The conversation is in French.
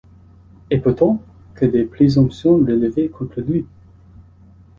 Et pourtant que de présomptions relevées contre lui!